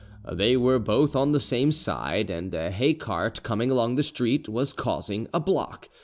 They were both on the same side, and a hay cart coming along the street was causing a block.